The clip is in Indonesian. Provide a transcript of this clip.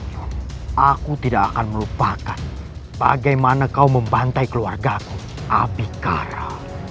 sampai kapan aku tidak akan melupakan bagaimana kau membantai keluarga abikara